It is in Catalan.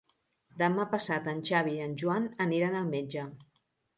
Demà passat en Xavi i en Joan aniran al metge.